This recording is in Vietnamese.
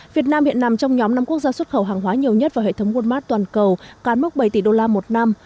việt nam hiện nằm trong nhóm năm quốc gia xuất khẩu hàng hóa nhiều nhất vào hệ thống walmart toàn cầu cán mốc bảy tỷ đô la một năm